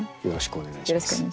よろしくお願いします。